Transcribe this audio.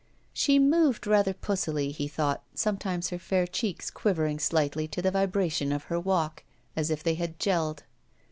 She moved rather pussily, he thought, sometimes her fair cheeks quivering slightly to the vibration of her walk, as if they had jelled.